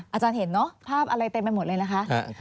อาจารย์เห็นเนอะภาพอะไรเต็มไปหมดเลยนะคะ